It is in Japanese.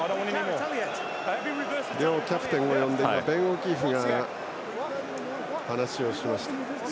両キャプテンを呼んでベン・オキーフが話しました。